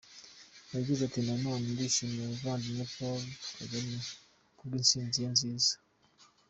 Yagize ati “Na none nshimiye umuvandimwe Paul Kagame kubw’intsinzi ye nziza.